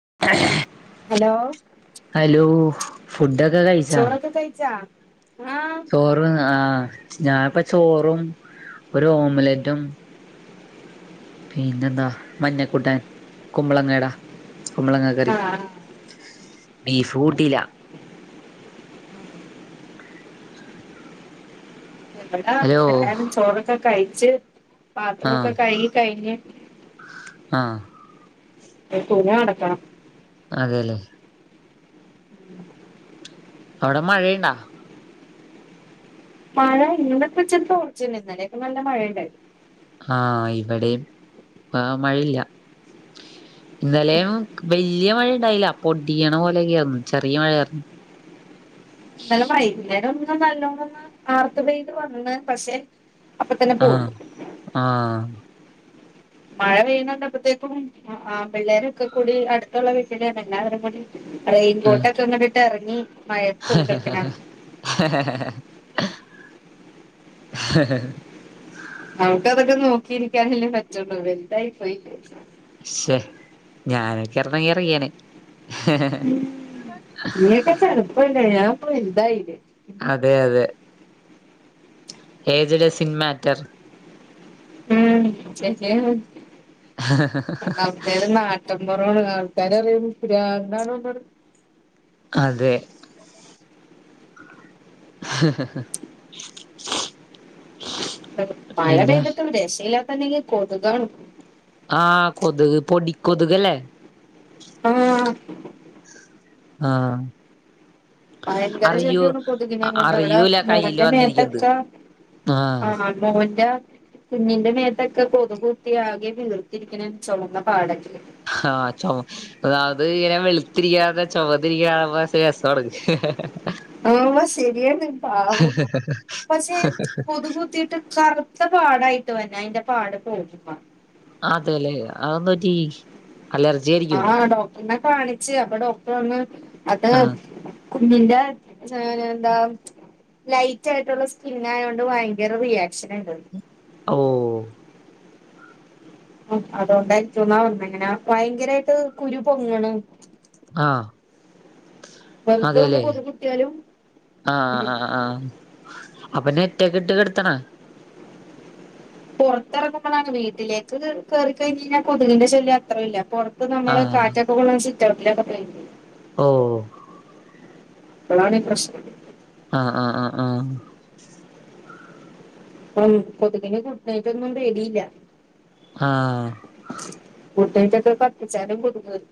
[unintelligible] Hello? Hello ഫുഡൊക്കെ കഴിച്ചാ? ചോറൊക്കെ കഴിച്ചാ ആഹ് ചോറ് ആഹ് ഞാ പ്പ ചോറും ഒരു ഓംലറ്റും പിന്നെന്താ മഞ്ഞക്കൂട്ടാൻ കുമ്പളങ്ങേട. കുമ്പളങ്ങ കറി ആഹ് ബീഫ് കൂട്ടില. ഇവടെ ഹലോ എല്ലാരും ചോറൊക്കെ കഴിച്ച്. പാത്രൊക്കെ ആഹ് കഴുകി കഴിഞ്ഞ്. ആഹ് [unintelligible] അതെലെ അഒടെ മഴയിണ്ട? മഴ ഇന്ന് പ്പൊരു ചെറിയ തോർച്ച ഇണ്ട് ഇന്നലെ ഒക്കെ നല്ല മഴണ്ടായിന്ന്. ആഹ് ഇവിടേം ഇപ്പാമഴയില്ല. [inaudible] ഇന്നലെയും വല്ല്യ മഴഇണ്ടായില്ല പൊടിയണപോലെ ചെറിയ ന്നലെ വൈകുന്നേരം ഒന്നും നല്ലോണം ഒന്ന് ആർത്ത് പെയ്ത് വന്ന് പക്ഷെ. അപ്പൊ തന്നെ പോയി ആഹ് ആഹ് മഴ പെയ്യുന്നുണ്ടപ്പത്തേക്കും പിള്ളേരൊക്കെ കൂടി അടുത്തുള്ള വീട്ടിലാണ് റെയിൻ ആഹ് കൊട്ടൊക്കെ ഇങ്ങട്ട്ട്ടിറങ്ങി. [unintelligible] [unintelligible] [unintelligible] ന്തായി പോയി. ശെ ഞാനൊക്കെയാർന്നെ എറങ്ങിയാനെ ഉം നിങ്ങേക്കെ ചെറുപ്പല്ലേ ഞാൻ ഒക്കെ വലുതായില്ലേ അതെ അതെ ഏജ് ഡസിൻ മാറ്റർ ഉം ശര്യാണ് അവിട്തേല് നാട്ടിൻപൊറാണ് കാ പെരക്കാര് പറയും [unintelligible] അതെ [unintelligible] മഴ എന്താ പെയ്തിട്ടും രക്ഷയിലാത്ത നിലയിൽ കൊതുകേളും ആഹ കൊതുക് പൊടി കൊതുകല്ലേ ആഹ ആഹ ഭയങ്കര ശല്യാണ് കൊതുകിനെ കൊണ്ട് ഇവടെ അറിയൂല കയ്യില് മോന്റെ വന്നിരിക്കുന്നത് മേത്തൊക്ക ആഹ് ആഹ മോന്റെ കുഞ്ഞിന്റെ മേത്തൊക്കെ കൊതുക് കുത്തി ആകെ വീർത്തിരിക്ക്ണ ചൊവന്ന പാടെക്കെ ആഹ ചൊമ അത് ഇങ്ങനെ വെളുത്തിരിക്കാത്തെ ചൊവന്നിരിക്കാ കാണുമ്പോ രസാണ് ആഹ് ശരിയാണ് പാവം പക്ഷെ കൊതുക് കുതീട്ട് കറ് ത്ത പാടായിട്ട് വനേ അയിന്റെ പാട് പോക്മ്പോ ആതെല്ലേ അഹ് ന്ത് പറ്റി അലർജി ആയിരിക്കും ആഹ ഡോക്ടറിനെ കാണിച്ച് അപ്പൊ ഡോക്ടർ പറിഞ്ഞ് അത് ആഹ് കുഞ്ഞിന്റെ ഏ എന്താ ലൈറ്റ് ആയിട്ടുള്ള സ്കിന്നായോണ്ട് ഭയങ്കര റിയാക്ഷന് ഇണ്ടന്ന് ഓ ആ അതൊണ്ടായിരിക്കുംന്നാ പറഞ്ഞേ അങ്ങനാ ഭയങ്കരായിട്ട് കുരു പൊങ്ങാണ് ആഹ് വെറുതെ അതെ ഒന്ന് ല്ലേ കൊതു കുത്തിയാലും ആഹ ആഹ ആഹ അപ്പൊ നെറ്റ്ക്കെ ഇട്ട് കെടുത്തണോ പുറത്തിറക്കുമ്പോഴാണ് വീട്ടിലേക്ക് കേറി കഴിഞ്ഞാൽ കൊതുകിന്റെ ശല്യം അത്ര ഇല്ല പൊറ് ഇപ്പ നമ്മള് ആഹ് കാറ്റൊക്കെ കൊണ്ട് സിറ്റൗട്ടിലൊക്കെ പ്ലേ ഓ ഇപ്പളാണ് പ്രശ്നം അ അ അ അ ഉം കൊതുക്കിന് ഗൂഡ്‌നെറ്റ് ഒന്നും പേടിയില്ല ആഹ ഗുഡ് നൈറ്റൊക്കെ കത്തിച്ചാലും കൊത്ക് വരും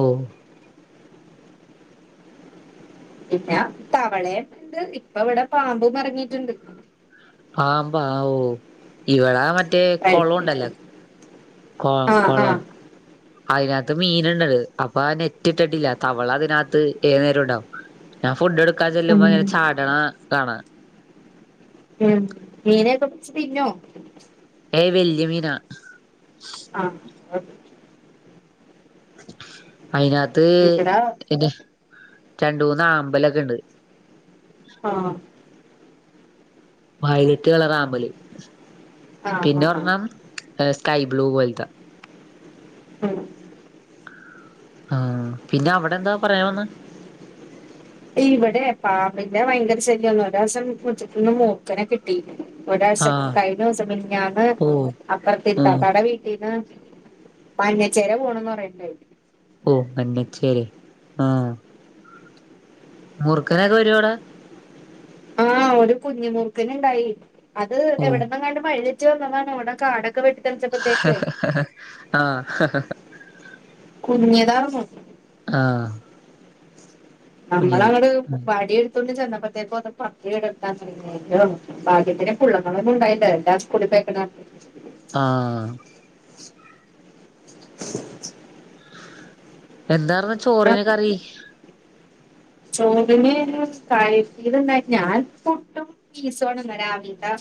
ഓ ഇല്ല തവളെ ഇണ്ട് ഇപ്പ ഇവടെ പാമ്പും ഇറങ്ങിട്ടുണ്ട് ആ മ്പാ ഊ ഇവടൊ മറ്റേ കൊളണ്ടല്ലേ ആ കൊളം അയിനകത്ത് മീന്ണ്ടത് അപ്പൊ ആ നെറ്റ് ഇട്ടിട്ടില്ല തവള അതിനകത്ത് ഏതു നേരവും ഇണ്ടാവും ഞാൻ ഫുഡ് എടുക്കാൻ ഉം, ചെല്ലുമ്പോ ചാടണ കാണാം ഉം മീനെ പിടിച്ച് തിന്നോ വല്ല്യ മീനാ ആഹ് അത് അയിനാത്ത് ഇവിടെ ആ പിന്നെ രണ്ട് മൂന്ന് ആമ്പലൊക്കെ ഇണ്ട് ആഹ വയലറ്റ് കളറ് ആമ്പല് പിന്നെ ആ ഒരണ്ണം ഏ കൈ ബ്ലൂ പോലതെ ഉം ആഹ പിന്നെ അവടെ എന്താ പറയാൻ വന്നേ ഇവടെ പാമ്പിന്റെ ഭയങ്കര ശല്യം ഒരോസം മുറ്റത് ന്ന് മൂർക്കനെ കിട്ടി ആ ഒരാഴ്ച കഴിഞ്ഞുസം മിനിഞ്ഞാന്ന് ഓ അപ്പർതെ ആ ഇത്താത്താന്റെ വീട്ടീന്ന് മഞ്ഞച്ചേര പോണന്ന് പറഞ്ഞ്ട്ട് ഓ മഞ്ഞച്ചേരെ ആഹ മൂർക്കനൊക്കെ വരുവോ അവിടെ ആഹ് ഒരു കുഞ്ഞുമൂർക്കന് ഇണ്ടായി അത് ഓ എവിടുന്നെങ്ങാട്ട് വഴി തെറ്റി റ്റി വന്നതാണ് ഇവടെ കാടൊക്കെ വെട്ടിത്തെളിച്ചപ്പോഴത്തേക്ക് ആഹ് കുഞ്ഞിയതാർന്നു ആഹ് നമ്മളങ്ങട് വടിയെടുത്തണ്ട് ചെന്നപ്പോൾ ത്തേക്ക് അത് പത്തിവിടർത്താൻ ശ്രമിക്കുന്നു ഭാഗ്യത്തിന് പുള്ളങ്ങളൊന്നും ഉണ്ടായില്ല എല്ലാം സ്കൂളിള് പോയെക്കണതാരുന്നു ആഹ് എന്താറുന്നു ചോറിന് കറി ചോറിന് ഒരു കഴീത്ണ്ടായി ഞാൻ പുട്ടും പീസുമാണ് ഇന്ന് രാവിലത്തെ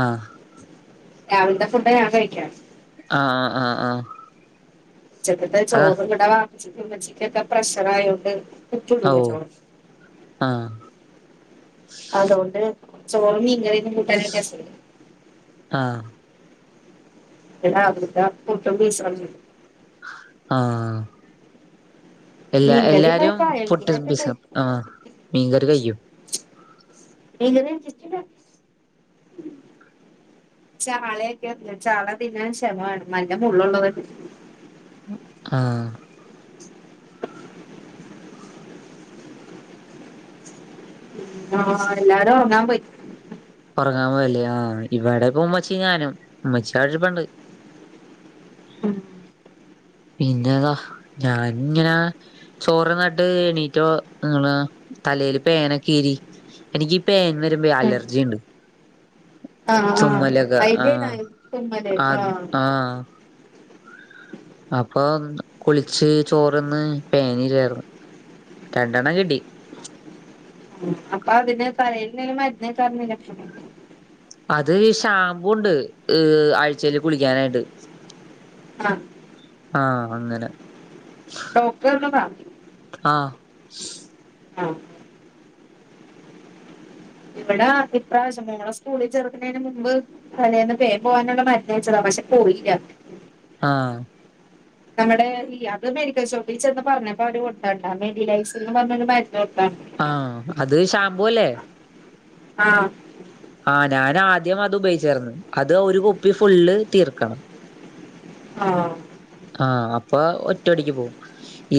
ആഹ് രാവിലത്തെ ഫുഡാ ഞാൻ കഴിക്കാ ആഹ് ആഹ് ആഹ് ആഹ് ഉച്ചക്കത്തെ അതാ ചോറ് കൂടെ വാങ്ങിച്ചിട്ടച്ചക്ക് ഉമ്മച്ചിക്കൊക്കെ പ്രഷറായോണ്ട് കുറച്ചെ ഇടൂളു ഓ ചോറ് ആഹ് അതുകൊണ്ട് ചോറ് മീൻ കറിയും കൂട്ടാനായിട്ടാരസമുള്ളു ആഹ് എടാ അവിടുത്തെ പുട്ടും പീസുമാണ് ആഹ് എല്ലാ മീൻക്കറിം [unintelligible] ച എല്ലാരും [unintelligible] ഫുഡ് ബിസ ആഹ് മീൻകറി കയ്യും ചാളയൊക്കെയ തിന്നാ ചാള തിന്നാൻ ക്ഷമ വേണം നല്ല മുള്ളുള്ളത ആഹ് ആഹ് എല്ലാരും ഒറങ്ങാൻ പോയി ഉറങ്ങാൻ പോയല്ലേ ആഹ് ഇവിടെപ്പ ഉമ്മച്ചിയും ഞാനും ഉമ്മച്ചി അവടെ ഇരിപ്പുണ്ട് മ്മ് പിന്നെതാ ഞാന് ഇങ്ങനെ ചോറ് തിന്നിട്ട് എണീറ്റോ നിങ്ങള് തല പേനൊക്കെ ഈരി എനിക്ക് ഈ പേൻ വരുമ്പോൾ അലർജി ഇണ്ട് ആഹ് ഹ ഹ അയിൻ്റെ ആഹ് ആഹ് അപ്പൊ കുളിച്ച് ചോറ് തിന്ന് പേന് ഈരുവായിരുന്നു രണ്ടെണ്ണം കിട്ടി അപ്പൊ അതിന് തലയിൽ എന്തേലും മരുന്ന് തേക്കാൻ പാടില്ലാരുന്നോ അത് ഷാംമ്പൂ ഉണ്ട് ഈ ആഴ്ച്ചേൽ കുളിക്കാനായിട്ട് ആഹ് ആഹ് അങ്ങനെ ഡോക്ടർ തന്നതാ [unintelligible] ആഹ് ഇവിടെ ഇപ്രാവശ്യം മോളെ സ്കൂളിൽ ചേർക്കുന്നതിന് മുമ്പ് തലേന്ന് പേൻ പോകാനുള്ള മരുന്ന് തേച്ചത പക്ഷെ പോയില്ല ആഹ് നമ്മുടെ ഈ അത് മെഡിക്കൽ ഷോപ്പിൽ ചെന്ന് പറഞ്ഞപ്പോ അവര് കൊടുത്തതാട്ടോ മെഡിലൈസ്ന്ന് പറഞ്ഞ ആഹ് അത് ഷാംമ്പൂവല്ലേ ആഹ് ആഹ് ഞാൻ ആദ്യം അത് ഉപയോഗിച്ചാർന്ന് അത് ഒരു കുപ്പി ഫുള്ള് തീർക്കണം ആഹ് ഇപ്പൊ ഒറ്റ അടിക്ക് പോകും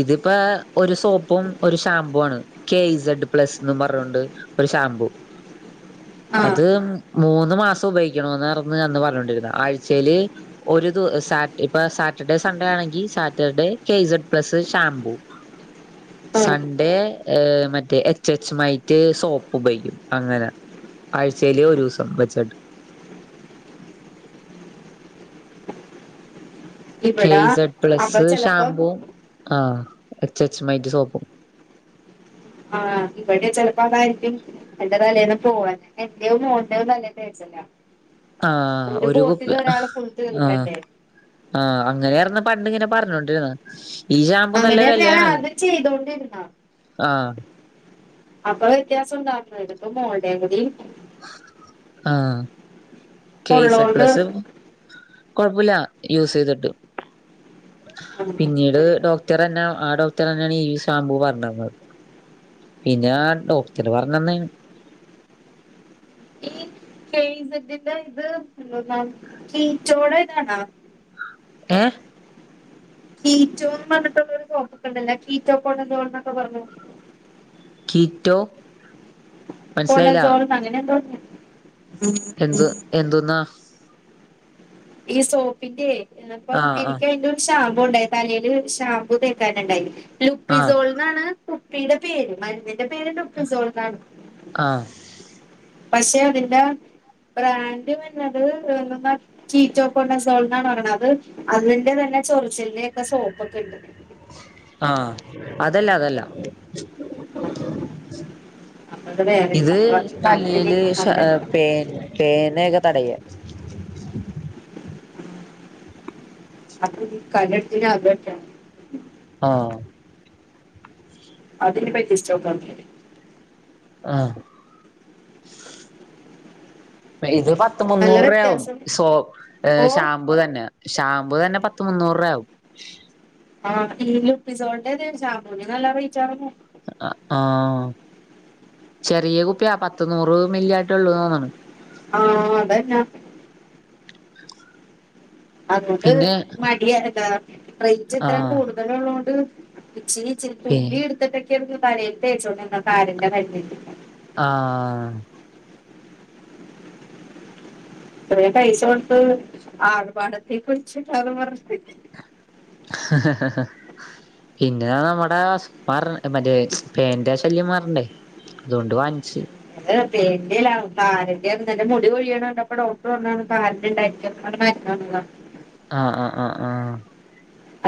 ഇതിപ്പോ ഒരു സോപ്പും ഒരു ഷാംമ്പൂ ആണ് കെ ഇസ്സ്ഡ് പ്ലസ്ന്ന് പറഞ്ഞൊണ്ട് ഒരു ഷാമ്പൂ [unintelligible] അത് മൂന്ന് മാസം ഉപയോഗിക്കണന്ന് അന്ന് പറഞ്ഞോണ്ടിരുന്ന ആഴ്ചേൽ ഒരു ദിവസം ഇപ്പൊ സാറ്റ് സാറ്റർഡേ സൺഡേ ആണെങ്കിൽ Saturday K Z plus shampoo ആഹ് സൺഡേ മറ്റേ എച്ച് എച്ച് മൈറ്റ് സോപ്പ് ഉപയോഗിക്കും അങ്ങനെ ആഴ്ചയിലെ ഒരു ദിവസം വച്ചിട്ട് [unintelligible] കെ ഇവിടെ ഇസഡ് അപ്പൊ പ്ലസ് ചെലപ്പം ഷാമ്പൂ ആഹ എച്ചച്ച മൈറ്റ് സോപ്പും ആഹ് ഇവിടെ ചെലപ്പോ അതായിരിക്കും എന്റെ തലേന്ന് പോവാൻ എന്റെ മോന്റെയും തലേ തേച്ചില്ല ആഹ ഒരു കുപ്പി ഫുൾ ആ തീർക്കണ്ടേ ആ അങ്ങനെആരുന്നു പണ്ടങ്ങന പറഞ്ഞോണ്ടിരുന്ന അങ്ങനെയ ഞാൻ ആത് ചെയ്തോണ്ടിരുന്ന ആഹ് അപ്പൊ വ്യത്യാസം ഉണ്ടാക്കണം ഇതിപ്പോ മോളുടെ കൂടി ആഹ കെ ഇസഡ ഉള്ളോണ്ട് പ്ലസ് കുഴപ്പില്ല യൂസ് ചെയ്തിട്ട് പിന്നീട് ഡോക് ഉത്തര തന്നെ ആ ഡോക്ടർ തന്നെയാണ് ഈ ശാമ്പൂ പറഞ്ഞുതന്നത് പിന്നെ ഡോക്ടർ പറഞ്ഞന്ന ഏ കേ ഇസഡിന്റെ ഇത് കീറ്റോടെ ഇതാണാ ഏ കീറ്റോന്ന് പറഞ്ഞിട്ടുള്ളരു കോപ്പൊക്ക ഉണ്ടല്ല കീറ്റോക്കണ്ടന്തന്നൊക്കെ പറഞ്ഞു കിറ്റോ [unintelligible] അങ്ങനെ എന്തോ പറഞ്ഞു എന്ത് എന്തന്നാ ഈ സോപ്പിന്റെ ഇപ്പം ആഹ് ആഹ് എനിക്ക് അതിന്റെ ഒരു ഷാംപൂ ണ്ടായി തലേല് ഷാമ്പൂ തേക്കാന്ണ്ടായി. ആഹ് ലുപ്പിസോൾന്നാണ് കുപ്പിയുടെ പേര്. മരുന്നിന്റെ പേര് ലുപ്പി സോൾന്നാണ്. ആഹ് പക്ഷേ അതിന്റെ ബ്രാൻഡ് പറഞ്ഞത് എന്ത്ന്നാ കീറ്റോകോണസോൾന്നാണ് പറയണ് അത് അതിന്റെ ത ന്നെ ചൊറിച്ചിലിന്റോക്കെ സോപ്പോക്കെ ഉണ്ട്. ആ അതല്ല അതല്ല അപ്പൊ അത് വേറെ ഇത് അപ്പൊ ഇക്കാലത്തിന് തലേല് ഷാ അവിടെ പേൻ പേനേയൊക്കെ തടയും. അപ്പ കല്ലടത്തി [unintelligible] ആ അതിനി പരീക്ഷിച്ചോക്കണം. ആ ഇത് പ ത്ത് നല്ല മുന്നൂറു രൂയാവും വ്യത്യാസം സോ ഏ ഓ ഷാമ്പൂ തന്നെ. ഷാമ്പു തന്നെ പത്ത് മുന്നൂറ് രൂവയാവും ആ പിന്നേ ലപ്പിസോളിന്റെ അതേ ശാമ്പൂന് നല്ല റേറ്റ് ആർന്നു. ങ് ആ ചെറിയ കുപ്പിയാ പ ത്ത് നൂറ് മില്യാട്ടെ ഉള്ളൂ തോന്നണു. ആഹ് അതന്നെ അതുകൊണ്ട് പിന്നെ മടിയ എന്തൂട്ടാ റേറ്റ് ഇത്രം ആഹ് കൂടുതലുള്ളോണ്ട് ഇച്ചിരി പി തുള്ളി എടുത്തിട്ടൊക്കേരുന്നു തലേൽ തേച്ചോണ്ടിരുന്നത് താരന്റെ മരുന്നിന്. ആ അത്രേം പൈസ കൊടുത്ത് ആർഭാടത്തേക്കുറിച്ച് [unintelligible] പിന്നെ നമ്മട അവസ് പറഞ്ഞ് മറ്റേ പേനിന്റെ ആ ശല്യം മാറണ്ടേ? അത്കൊണ്ട് വാങ്ങിച്ച്. ഇത് പേന്റെ അല്ല. താരന്റെ ആരുന്ന്. എന്റെ മുടി കൊഴിയണ് കണ്ടപ്പ ഡോക്ട്ടറ് പറഞ്ഞാണ് താരന്റെണ്ടായിരിക്കുമെന്ന് മരുന്ന് വന്നതാ ആഹ് ആഹ് ആഹ് ആഹ്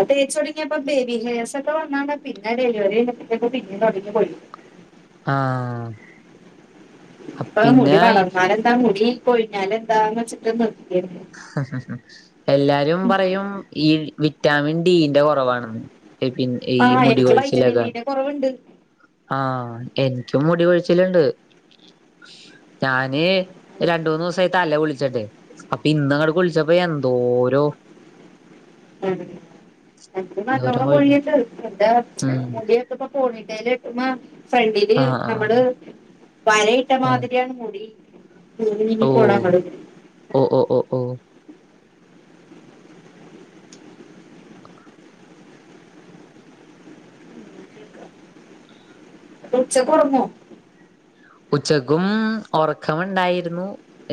തേച്ചോടങ്ങിയപ്പ ബേബി ഹെയേഴസ് ഒക്കെ വന്നാണ്. പിന്നെ ഡെലിവറി കഴിഞ്ഞപ്പത്തേക്ക് പിന്നിം കൊറഞ്ഞ് പോയി ആ ഇപ്പ മുടി വളർന്നാലെന്താ? മുടി കൊഴിഞ്ഞാലെന്താ വെച്ചിട്ടാ നിർ എല്ലാരും പറയും ഈ വി വിറ്റാമിൻ ഡി ന്റെ കൊറവാണെന്ന്. പി പിൻ ഈ ആഹ് മുടി എനിക്ക് വൈറ്റമിൻ കൊഴിച്ചിലൊക്കെ. ഡിന്റെ കുറവുണ്ട് ആ എനിക്കും മുടി കൊഴിച്ചിലുണ്ട്. ഞാന് രണ്ടുമൂന്നൂസായി തല കുളിച്ചിട്ട് അപ്പ ഇന്ന് അങ്ങട്ട് കുളിച്ചപ്പോ എന്തോരോ ഉം. എനിക്ക് എന്തോരം നല്ലോണം കൊഴിഞ്ഞ് കൊഴിയിണ്ട്. എന്റെ ഉം മുടിയൊക്ക ഇപ്പ പോണിടെയില് കെട്ടുമ്പം ഫ്രണ്ടില് ആഹ് നമ്മള് ആഹ് വരയിട്ട ഉം മാതിരിയാണ് മുടി. നീങ്ങി നീങ്ങി ഓഹ് പോണാങ്ങട് ഓഹ് ഓഹ് ഓഹ് ഓഹ് ഉച്ചയ്ക്ക് ഒറങ്ങ്വോ? ഉച്ചക്കും ഒറക്കമുണ്ടായിരുന്നു.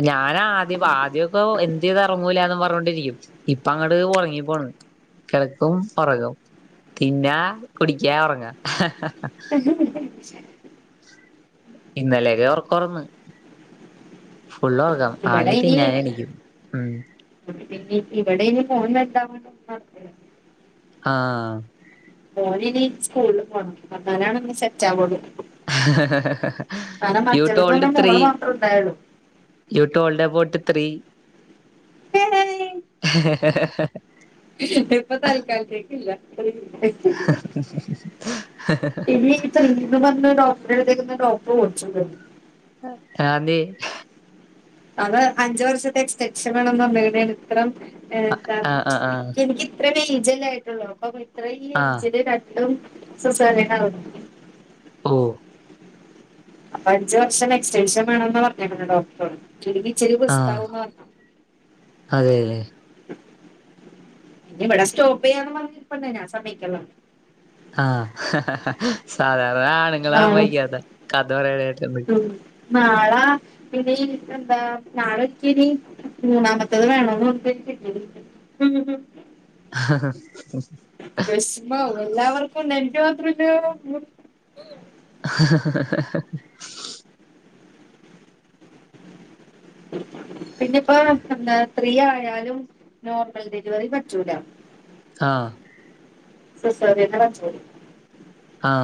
ഞാൻ ആദ്യം ആദ്യോക്കെ എന്ത് ചെയ്താ ഒറങ്ങൂലാർന്നു. പറഞ്ഞൊണ്ടിരിക്കും. ഇപ്പ അങ്ങട് ഒറങ്ങി പോണ്. കിടക്കും ഒറങ്ങും. പിന്ന കുടിക്കാ ഉറങ്ങാ ഇന്നലെയൊക്കെ ഒറക്കോർന്ന്. ഫുളള് ഒറക്കം. ഇവിടെ ആകെ തിന്നാനെണിക്കും. ഉം. ഇവടെ ഇനി ഫോൺ വേണ്ടാ. [inaudible] ആ മോന് ഇനി സ്കൂളില് പോണം. അന്നാലാണ് ഒന്ന് സെറ്റ് ആവൊള്ളു. യൂ മറ്റേതെന്ന് ടോൾഡ് പറഞ്ഞാൽ ത്രീ മോള് മാത്രേ ഉണ്ടായുള്ളൂ യു ടോൾഡ് എബൗട്ട് ത്രീ ഇപ്പ തൽകാലത്തേക്കില്ല ഇനിയിപ്പം എന്ത് പറഞ്ഞ് ഡോ [unintelligible] ഡോക്ടറ് കുറിച്ചൂലോ ആന്നേ അത് അഞ്ച് വർഷത്തേ എസ്റ്റെക്ഷൻ വേണന്നറഞ്ഞ് ഇത്രം ആഹ് ആഹ് ആഹ് എനിക്ക് ഇത്രയും ഏജ് അല്ലെ ആയിട്ടുള്ളൂ അപ്പം ഇത്ര ആഹ് ഏജില് രണ്ടും സിസേറിയനായിരുന്നു ഓഹ് അപ്പൊ അഞ്ചു വർഷം എക്സ്റ്റെൻഷൻ വേണോന്നാ പറഞ്ഞേക്കണേ ഡോക്ടറ്. ഇല്ലെങ്കി ഇച്ചിരി റിസ്‌ക്കാവൂന്നാ പർഞ്ഞേ അതേ ല്ലേ? ഇവടെ സ്റ്റോപ്പ് ചെയ്യാന്ന് പറഞ്ഞിരിപ്പുണ്ട് ഞാൻ സമ്മതിക്കൺല്ല. ആഹ് ഹ ഹ ഹ സാധാര ആണുങ്ങങ്ങളാ നാളെ സമ്മിക്കാത്തെ കഥ പറയണ കേട്ടണ്ട്. ഉം. നാളെ പിന്നെ എന്താ നാളെ ഇത്തിരി മൂന്നാമത്തേത് വേണോന്ന് പറഞ്ഞിട്ട് [unintelligible] വെസ്മാവും എല്ലാവർക്കും ഇണ്ട് എനിക്കു മാത്ര [unintelligible] പിന്നെപ്പ എന്താ ഫ്രീ ആയാലും നോർമൽ ഡെലിവറി പറ്റൂല. ആഹ് സിസേറിയനാ പറ്റോളൂ ആഹ്